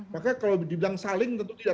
maka kalau dibilang saling tentu tidak